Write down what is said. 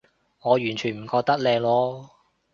我完全唔覺得靚囉